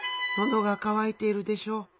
「のどがかわいているでしょう。